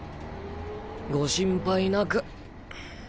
ご心配なく。